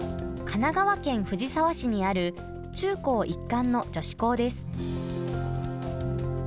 神奈川県藤沢市にある中高一貫の女子校です。